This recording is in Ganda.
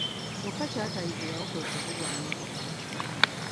Kyokka ky'atayigirawo kwe kuvuga mmotoka.